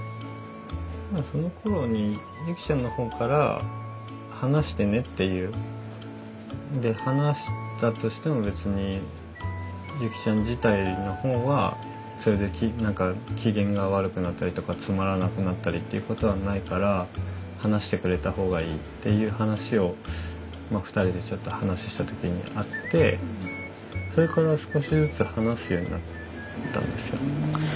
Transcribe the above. そのころにゆきちゃんの方からで話したとしても別にゆきちゃん自体の方はそれで何か機嫌が悪くなったりとかつまらなくなったりっていうことはないから話してくれた方がいいっていう話をふたりでちょっと話した時にあってそれから少しずつ話すようになったんですよ。